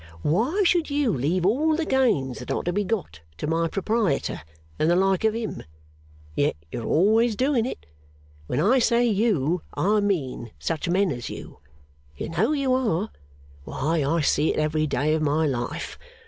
Why should you leave all the gains that are to be got to my proprietor and the like of him? Yet you're always doing it. When I say you, I mean such men as you. You know you are. Why, I see it every day of my life.